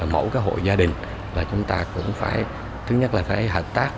mẫu các hội gia đình là chúng ta cũng phải thứ nhất là phải hợp tác